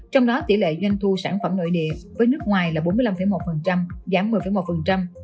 trong đó tỷ lệ doanh thu sản phẩm nội địa với nước ngoài là bốn mươi năm một giảm một mươi một